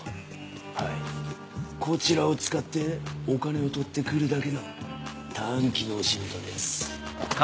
はいこちらを使ってお金を取って来るだけの短期のお仕事です。